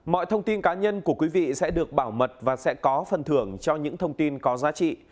mọi thông tin cá nhân của quý vị sẽ được bảo mật và sẽ có phần thưởng cho những thông tin có giá trị